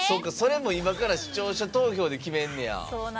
それも今から視聴者投票で決めんねや！